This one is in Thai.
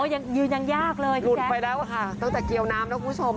ยังยืนยังยากเลยค่ะหลุดไปแล้วค่ะตั้งแต่เกียวน้ำนะคุณผู้ชม